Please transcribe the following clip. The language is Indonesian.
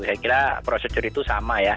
saya kira prosedur itu sama ya